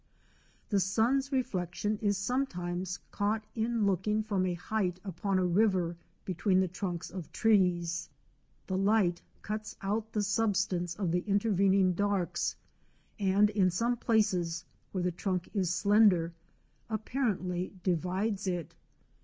The sun's reflection is sometimes caught in looking from a height upon a river between the trunks of trees. The light cuts out the substance of the intervening darks, and, in some places, where the trunk is slender, apparently divides it.